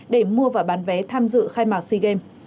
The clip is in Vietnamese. để mua và bán vé tham dự khai mạc sea games